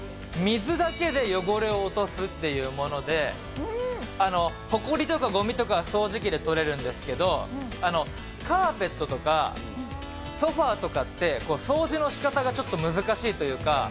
水だけで汚れを落とすっていうもので、ほこりとか、ごみとか、掃除機で取れるんですけど、カーペットとか、ソファーとかって、掃除のしかたがちょっと難しいというか。